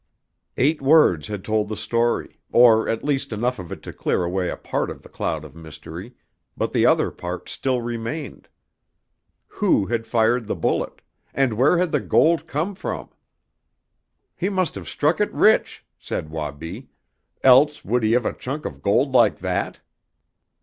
Eight words had told the story, or at least enough of it to clear away a part of the cloud of mystery, but the other part still remained. Who had fired the bullet, and where had the gold come from? "He must have struck it rich," said Wabi "else would he have a chunk of gold like that?"